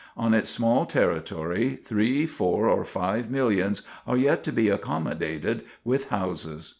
On its small territory three, four, or five millions of people are yet to be accommodated with houses.